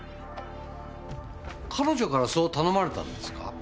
彼女からそう頼まれたんですか？